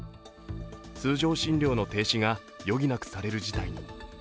通常診療の停止が余儀なくされる事態に。